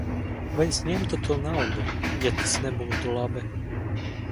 Vai es ņemtu to naudu, ja tas nebūtu labi?